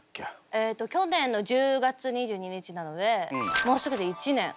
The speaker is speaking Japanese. えと去年の１０月２２日なのでもうすぐで１年。